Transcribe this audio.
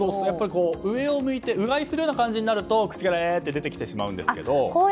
やっぱり上を向いてうがいするような感じになると口から出てきてしまうんですけど。